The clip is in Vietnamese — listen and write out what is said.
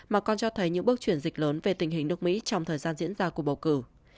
mà còn cho thấy những bước chuyển dịch lớn về tình hình nước mỹ trong thời gian diễn ra cuộc bầu cử